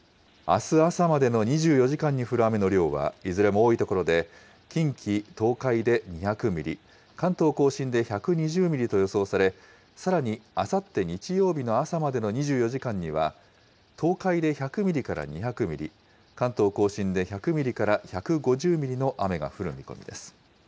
あす朝までの２４時間に降る雨の量は、いずれも多い所で、近畿、東海で２００ミリ、関東甲信で１２０ミリと予想され、さらにあさって日曜日の朝までの２４時間には、東海で１００ミリから２００ミリ、関東甲信で１００ミリから１５０ミリの雨が降る見込みです。